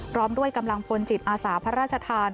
พร้อมด้วยกำลังพลจิตอาสาพระราชทาน